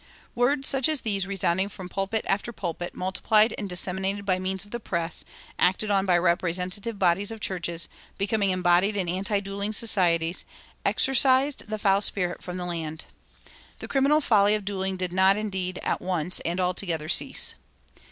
Words such as these resounding from pulpit after pulpit, multiplied and disseminated by means of the press, acted on by representative bodies of churches, becoming embodied in anti dueling societies, exorcised the foul spirit from the land. The criminal folly of dueling did not, indeed, at once and altogether cease.